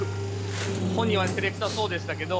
本人は照れ臭そうでしたけど